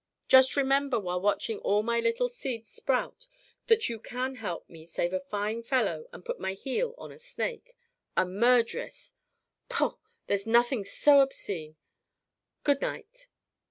Just remember while watching all my little seeds sprout that you can help me save a fine fellow and put my heel on a snake a murderess! Paugh! There's nothing so obscene. Good night."